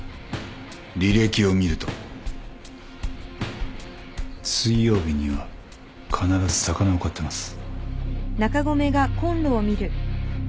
履歴を見ると水曜日には必ず魚を買ってます。